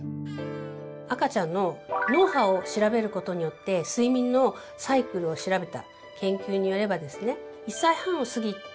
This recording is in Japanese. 赤ちゃんの脳波を調べることによって睡眠のサイクルを調べた研究によればですね。